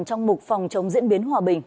trong mục phòng chống diễn biến hòa bình